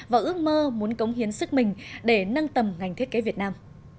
và ước mơ muốn cống hiến sức mình để nâng tầm ngành thiết kế việt nam